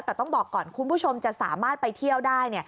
แต่ต้องบอกก่อนคุณผู้ชมจะสามารถไปเที่ยวได้